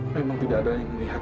memang tidak ada yang melihat